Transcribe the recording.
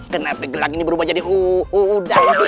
kenapa gelang ini berubah jadi hu hu udang sih